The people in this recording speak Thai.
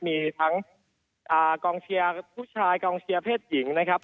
มีทั้งกองเชียร์ผู้ชายกองเชียร์เพศหญิงนะครับ